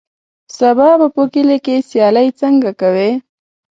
سبا به په کلي کې سیالۍ څنګه کوې.